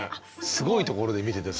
すごいところで見てて。